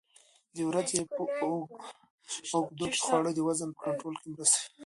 د ورځې په اوږدو کې خواړه د وزن په کنټرول کې مرسته کوي.